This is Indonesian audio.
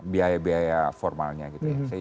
biaya biaya formalnya gitu ya